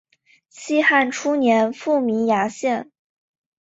东汉初年复名衙县。